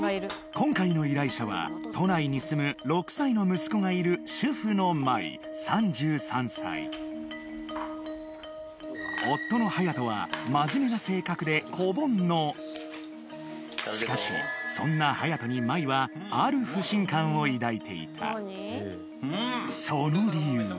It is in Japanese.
今回の依頼者は都内に住む６歳の息子がいる主婦の麻衣３３歳夫の隼人はしかしそんな隼人に麻衣はある不信感を抱いていたその理由は